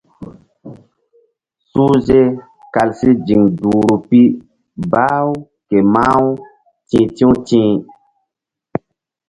Suhze kal si ziŋ duhri pi bah-u ke mah-u ti̧h ti̧w ti̧h.